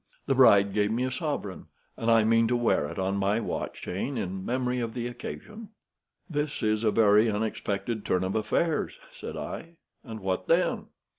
The bride gave me a sovereign, and I mean to wear it on my watch chain in memory of the occasion." "This is a very unexpected turn of affairs," said I; "and what then?"